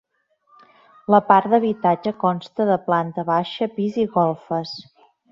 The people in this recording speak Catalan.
La part d'habitatge consta de planta baixa, pis i golfes.